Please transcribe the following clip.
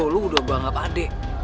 lu udah anggap adek